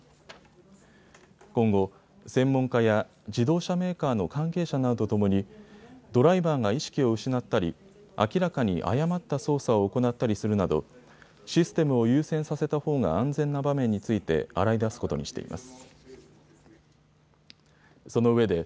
今後、専門家や自動車メーカーの関係者などとともにドライバーが意識を失ったり明らかに誤った操作を行ったりするなどシステムを優先させたほうが安全な場面について洗い出すことにしています。